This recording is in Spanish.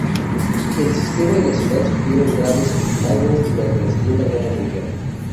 El sistema y la ciudad sufrieron graves daños durante la Segunda Guerra Mundial.